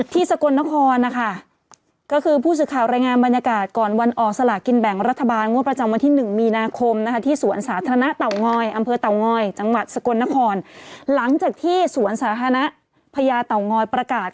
ที่สกลนครนะคะก็คือผู้สื่อข่าวรายงานบรรยากาศ